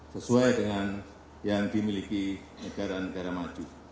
sesuai dengan yang dimiliki negara negara maju